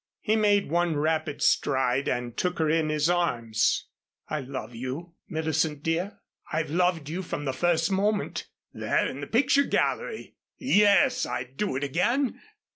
He made one rapid stride and took her in his arms. "I love you, Millicent, dear. I've loved you from the first moment there in the picture gallery. Yes, I'd do it again.